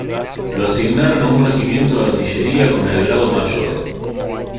Lo asignaron a un regimiento de artillería, con el grado de mayor.